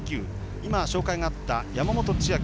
紹介があった山本千晶